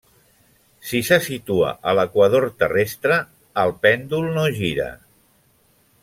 Si se situa a l'equador terrestre, el pèndol no gira.